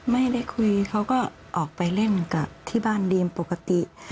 ไม่ได้คุยเขาก็ออกไปเล่นกับที่บ้านดีมปกติ